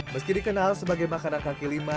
meski dikenal sebagai makanan kaki lima